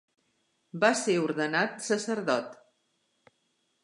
Va ser ordenat sacerdot.